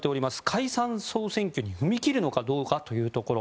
解散・総選挙に踏み切るのかどうかというところ。